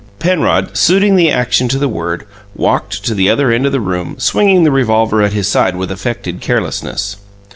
Penrod, suiting the action to the word, walked to the other end of the room, swinging the revolver at his side with affected carelessness.